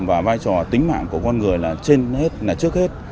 và vai trò tính mạng của con người là trên hết là trước hết